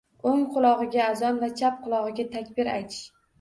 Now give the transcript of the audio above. O‘ng qulog‘iga azon va chap qulog‘iga takbir aytish